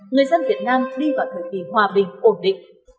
người dân việt nam đi vào thời kỳ hòa bình ổn định